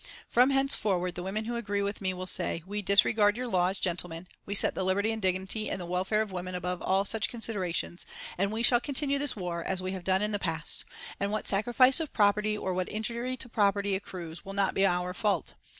_ From henceforward the women who agree with me will say, 'We disregard your laws, gentlemen, we set the liberty and the dignity and the welfare of women above all such considerations, and we shall continue this war, as we have done in the past; and what sacrifice of property, or what injury to property accrues will not be our fault.